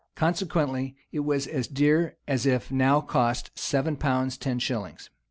Consequently, it was as dear as if it now cost seven pounds ten shillings.